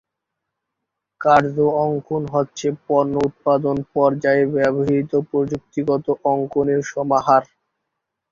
কার্য অঙ্কন হচ্ছে পণ্য উৎপাদন পর্যায়ে ব্যবহৃত প্রযুক্তিগত অঙ্কনের সমাহার।